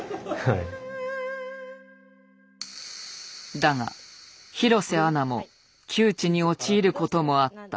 だが広瀬アナも窮地に陥ることもあった。